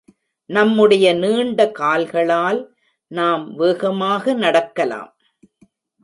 நம்முடைய நீண்ட கால்களால், நாம் வேகமாக நடக்கலாம்.